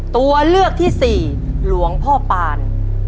ตัวเลือกที่สี่หลวงพ่อปาน